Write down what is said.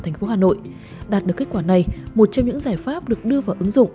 thành phố hà nội đạt được kết quả này một trong những giải pháp được đưa vào ứng dụng